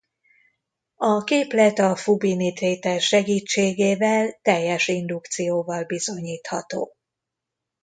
A képlet a Fubini-tétel segítségével teljes indukcióval bizonyítható.